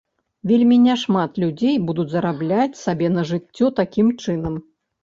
Вельмі няшмат людзей будуць зарабляць сабе на жыццё такім чынам.